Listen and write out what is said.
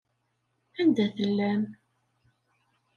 Anda tellam?